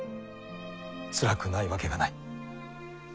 つらくないわけがない。